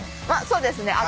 あっそうですね。